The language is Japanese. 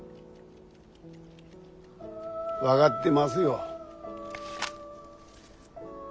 分がってますよ。